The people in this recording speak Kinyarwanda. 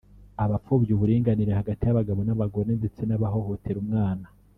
abapfobya uburinganire hagati y’abagabo n’abagore ndetse n’abahohotera umwana